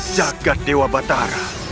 jagat dewa batara